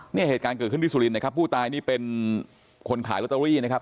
เหตุการณ์เกิดขึ้นที่สุรินทร์นะครับผู้ตายนี่เป็นคนขายลอตเตอรี่นะครับ